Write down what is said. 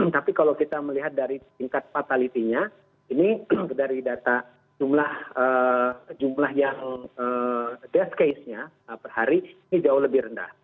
tapi kalau kita melihat dari tingkat fatality nya ini dari data jumlah yang desk case nya per hari ini jauh lebih rendah